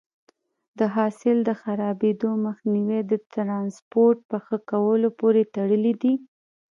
د حاصل د خرابېدو مخنیوی د ټرانسپورټ په ښه کولو پورې تړلی دی.